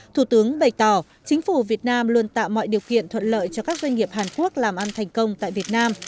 thủ tướng bày tỏ chính phủ việt nam luôn tạo mọi điều kiện thuận lợi cho các doanh nghiệp hàn quốc làm ăn thành công tại việt nam